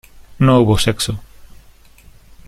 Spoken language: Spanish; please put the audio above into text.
no hubo sexo.